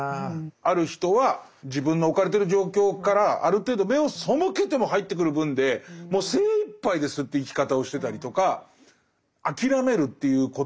ある人は自分の置かれてる状況からある程度目を背けても入ってくる分でもう精いっぱいですって生き方をしてたりとか。